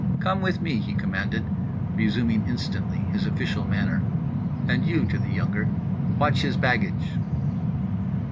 —"Come with me," he commanded, resuming instantly his official manner. "And you" (to the younger) "watch his baggage."